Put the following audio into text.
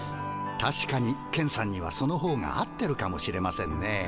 たしかにケンさんにはそのほうが合ってるかもしれませんね。